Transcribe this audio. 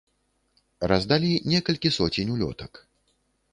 Раздалі некалькі соцень улётак.